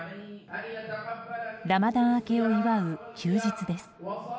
ラマダン明けを祝う休日です。